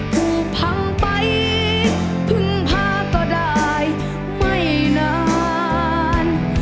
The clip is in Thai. ผูกพังไปพึ่งพาก็ได้ไม่นาน